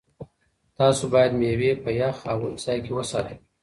تاسو باید مېوې په یخ او وچ ځای کې وساتئ.